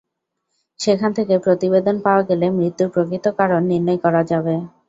সেখান থেকে প্রতিবেদন পাওয়া গেলে মৃত্যুর প্রকৃত কারণ নির্ণয় করা যাবে।